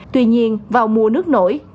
tuy nhiên vào mùa nước nổi